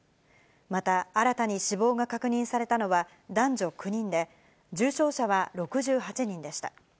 また新たに死亡が確認されたのは、男女９人で、重症者は６８人でした。